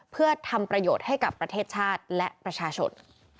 เพื่อทำประโยชน์ให้กับประเทศชาติและประชาชน